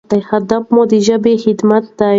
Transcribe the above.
هدف مو د ژبې خدمت دی.